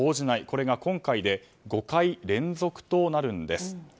これが今回で５回連続となるんです。